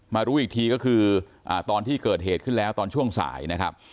รู้อีกทีก็คือตอนที่เกิดเหตุขึ้นแล้วตอนช่วงสายนะครับ